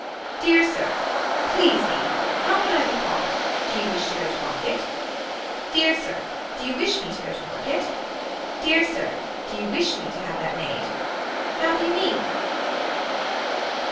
Dear Sir. Please me. How can I be called. Do you wish to go to market. Dear Sir. Do you wish me to go to market. Dear Sir. Do you wish me to have that made. How do you mean.